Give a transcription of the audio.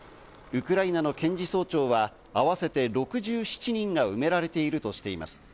ウクライナの検事総長はあわせて６７人が埋められているとしています。